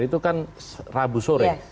itu kan rabu sore